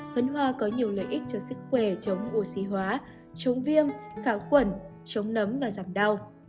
phấn hoa có nhiều lợi ích cho sức khỏe chống oxy hóa chống viêm kháng khuẩn chống nấm và giảm đau